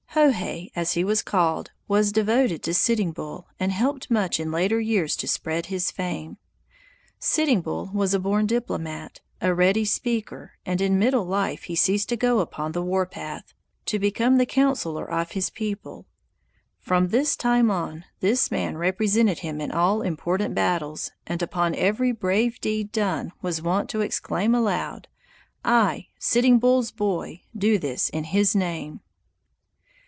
Hohay, as he was called, was devoted to Sitting Bull and helped much in later years to spread his fame. Sitting Bull was a born diplomat, a ready speaker, and in middle life he ceased to go upon the warpath, to become the councilor of his people. From this time on, this man represented him in all important battles, and upon every brave deed done was wont to exclaim aloud: "I, Sitting Bull's boy, do this in his name!"